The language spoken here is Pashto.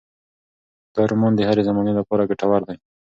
دا رومان د هرې زمانې لپاره ګټور دی.